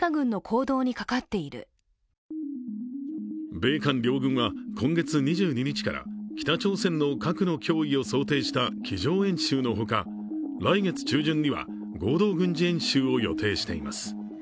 米韓両軍は、今月２２日から北朝鮮の核の脅威を想定した机上演習のほか、来月中旬には合同軍事演習を予定しています。